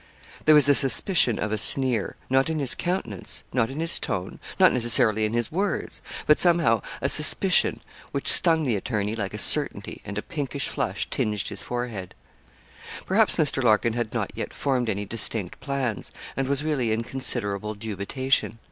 There was a suspicion of a sneer not in his countenance, not in his tone, not necessarily in his words but somehow a suspicion, which stung the attorney like a certainty, and a pinkish flush tinged his forehead. Perhaps Mr. Larkin had not yet formed any distinct plans, and was really in considerable dubitation.